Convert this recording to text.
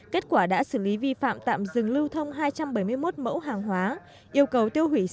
kết quả đã xử lý vi phạm tạm dừng lưu thông hai trăm bảy mươi một mẫu hàng hóa yêu cầu tiêu hủy sáu mươi năm sản xuất